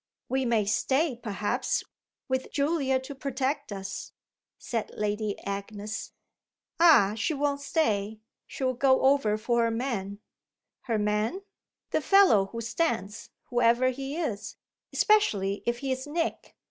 "We may stay perhaps with Julia to protect us," said Lady Agnes. "Ah she won't stay; she'll go over for her man." "Her man ?" "The fellow who stands, whoever he is especially if he's Nick."